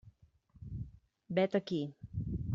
Vet aquí.